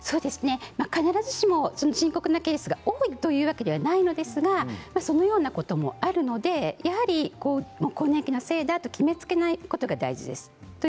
必ずしも深刻なケースが多いというわけではないんですがそのようなこともあるのでやはり更年期のせいだと決めつけないことが大事です。